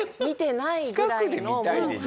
見てないぐらいのもう。